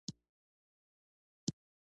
افغانستان بايد نور د مينو څخه خوندي سي